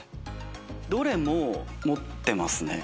どれも持ってますね。